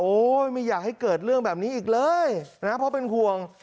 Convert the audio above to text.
ไม่อยากให้เกิดเรื่องแบบนี้อีกเลยนะเพราะเป็นห่วง